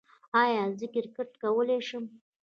ایا زه کرکټ کولی شم؟